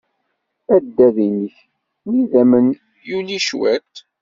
Adad-nnek n yidammen yuli cwiṭ.